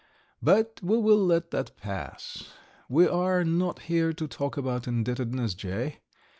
But we will let that pass. We are not here to talk about indebtedness, Jay.